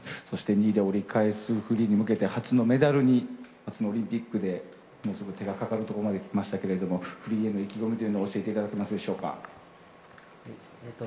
そして２位で折り返すフリーに向けて、初のメダルに、初のオリンピックで、もうすぐ手のかかるところまできましたけれども、フリーへの意気込みというのを教えていただけますでしょうか。